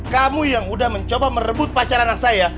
kamu yang udah mencoba merebut pacar anak saya